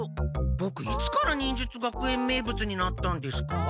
ボクいつから忍術学園名物になったんですか？